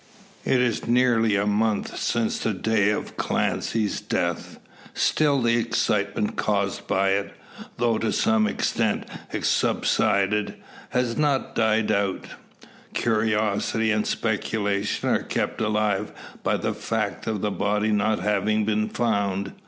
It is nearly a month since the day of Clancy's death; still the excitement caused by it, though to some extent subsided, has not died out. Curiosity and speculation are kept alive by the fact of the body not having been found.